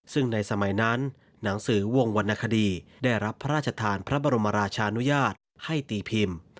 ซึ่งในสมัยนั้นหนังสือวงวรรณคดีได้รับพระราชทานพระบรมราชานุญาตให้ตีพิมพ์